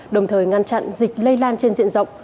đồng thời ngăn chặn dịch lây lan trên diện rộng